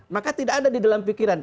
maka tidak ada di dalam pikiran